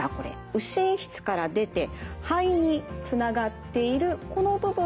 右心室から出て肺につながっているこの部分が肺動脈です。